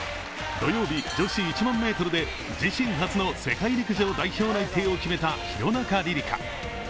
土曜日、女子１００００ｍで自身初の世界陸上代表内定を決めた廣中璃梨佳。